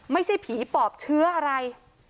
ไม่ใช่ผีปอบเชื้ออะไร